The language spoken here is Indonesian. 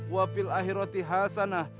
wa fil ahirati hasanah